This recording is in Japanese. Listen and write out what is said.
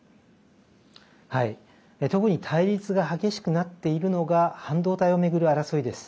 特に対立が激しくなっているのが半導体を巡る争いです。